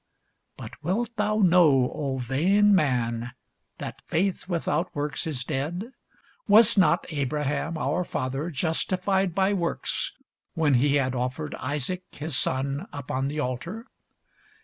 But wilt thou know, O vain man, that faith without works is dead? Was not Abraham our father justified by works, when he had offered Isaac his son upon the altar?